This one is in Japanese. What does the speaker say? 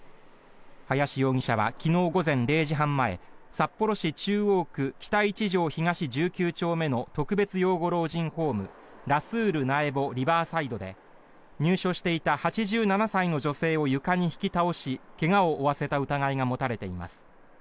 林容疑者は昨日午前０時半前札幌市中央区北一条東１９丁目の特別養護老人ホームラスール苗穂リバーサイドで入所していた８７歳の女性を床に引き倒し怪我を負わせた疑いが持たれています。